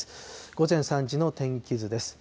午前３時の天気図です。